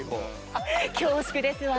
恐縮ですわ。